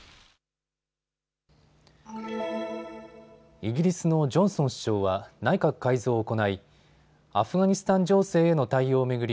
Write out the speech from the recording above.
イギリスのジョンソン首相は内閣改造を行いアフガニスタン情勢への対応を巡り